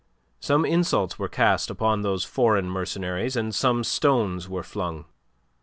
Some insults were cast upon those foreign mercenaries and some stones were flung.